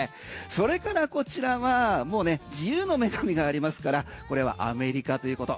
それからこちらはもうね自由の女神がありますからこれはアメリカということ。